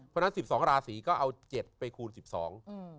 เพราะฉะนั้น๑๒ราศรีก็เอา๗ไปคูณ๑๒